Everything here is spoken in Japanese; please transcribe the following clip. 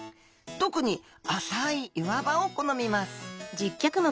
特に浅い岩場を好みます。